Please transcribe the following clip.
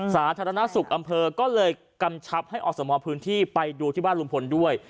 สาธารณสุขอำเภอก็เลยกำชับให้อสมพื้นที่ไปดูที่บ้านลุงพลด้วย